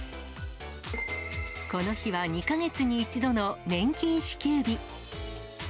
この日は２か月に一度の年金支給日。